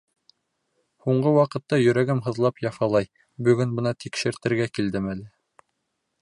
Һуңғы ваҡытта йөрәгем һыҙлап яфалай, бөгөн бына тикшертергә килдем әле.